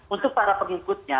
untuk para pengikutnya